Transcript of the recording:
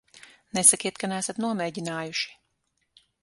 Nesakiet, ka neesat nomēģinājuši.